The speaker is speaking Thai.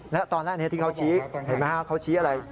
แล้วตอนแรกที่เขาชี้เห็นไหมฮะเขาชี้อะไร